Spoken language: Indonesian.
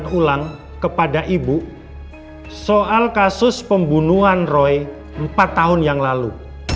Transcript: saya ulang kepada ibu soal kasus pembunuhan roy empat tahun yang lalu